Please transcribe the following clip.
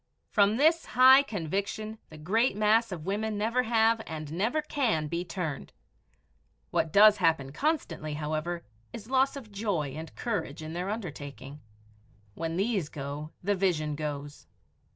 From this high conviction the great mass of women never have and never can be turned. What does happen constantly, however, is loss of joy and courage in their undertaking. When these go, the vision goes.